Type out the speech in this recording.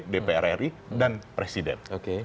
dprri dan presiden